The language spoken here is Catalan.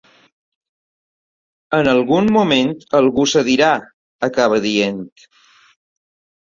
En algun moment algú cedirà, acaba dient.